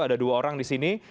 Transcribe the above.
ada dua orang di sini